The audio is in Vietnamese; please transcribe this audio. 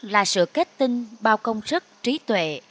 là sự kết tinh bao công sức trí tuệ